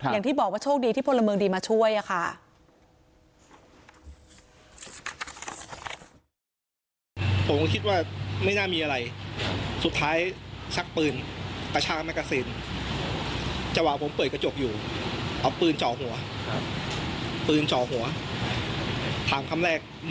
อย่างที่บอกว่าโชคดีที่พลเมืองดีมาช่วยค่ะ